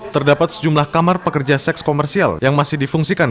terdapat sejumlah kamar pekerja seks komersial yang masih difungsikan